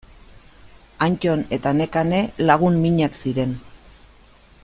Antton eta Nekane lagun minak ziren.